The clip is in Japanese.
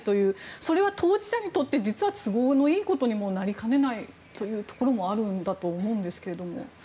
それは当事者にとって実は都合のいいことにもなりかねないというところもあるんだと思うんですけども。